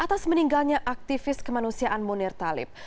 atas meninggalnya aktivis kemanusiaan munir talib